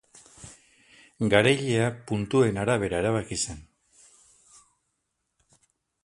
Garailea puntuen arabera erabaki zen.